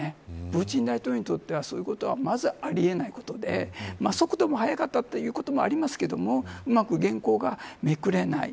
プーチン大統領にとってはそういうことはまずあり得ないことで速度も速かったこともありますけれどもうまく原稿がめくれない。